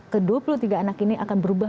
ke dua puluh tiga anak ini akan berubah